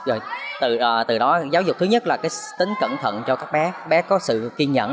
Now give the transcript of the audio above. rồi từ đó giáo dục thứ nhất là tính cẩn thận cho các bé bé có sự kiên nhẫn